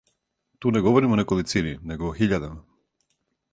Ту не говоримо о неколицини, него о хиљадама.